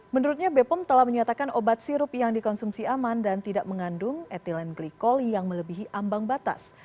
menurutnya bepom telah menyatakan obat sirup yang dikonsumsi aman dan tidak mengandung etilen glikol yang melebihi ambang batas